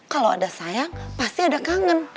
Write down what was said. kalau ada sayang pasti ada kangen